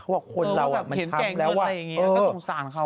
ว่าคนเรามันช้ำแล้วค่ะ